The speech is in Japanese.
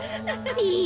え！